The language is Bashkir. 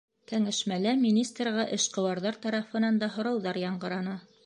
Кәңәшмәлә министрға эшҡыуарҙар тарафынан да һорауҙар яңғыраны.